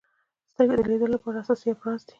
• سترګې د لیدلو لپاره اساسي ابزار دي.